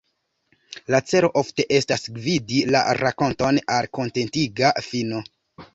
La celo ofte estas gvidi la rakonton al kontentiga fino.